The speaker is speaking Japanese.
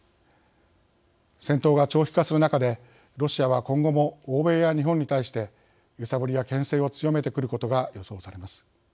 戦闘が長期化する中でロシアは今後も欧米や日本に対して揺さぶりや、けん制を強めてくることが予想されます。